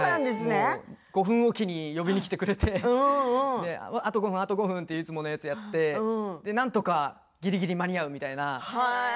５分置きに呼びに来てくれてあと５分、あと５分といつものやつをやってなんとかぎりぎり間に合うみたいな。